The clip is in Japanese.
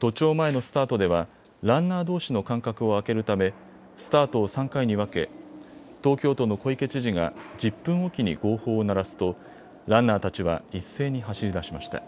都庁前のスタートではランナーどうしの間隔を空けるためスタートを３回に分け東京都の小池知事が１０分おきに号砲を鳴らすとランナーたちは一斉に走り出しました。